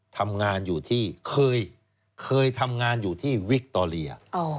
ทำงานอยู่ที่เคยทำงานอยู่ที่วิคโตเรีย